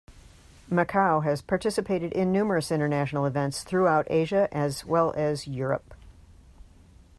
Macau has participated in numerous international events throughout Asia as well as Europe.